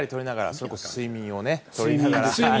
それこそ睡眠を取りながら。